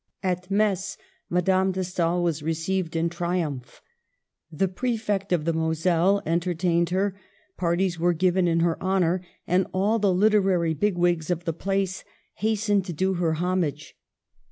At Metz Madame de Stael was received in tri umph. The Prefect of the Moselle entertained her, parties were given in her honor, and all the literary big wigs of the place hastened to do her homage.